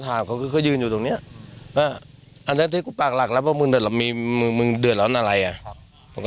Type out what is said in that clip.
ถ้ามันลำเป็นถนนสาธารณะเราก็พร้อมจะถอน